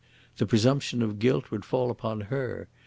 The presumption of guilt would fall upon her.